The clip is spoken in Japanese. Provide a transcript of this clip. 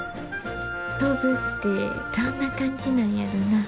飛ぶってどんな感じなんやろな。